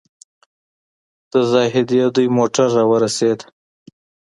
د زاهدي دوی موټر راورسېد.